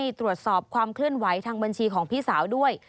พร้อมทั้งให้ตรวจสอบความเคลื่อนไหวทางบัญชีของพี่สาวด้วย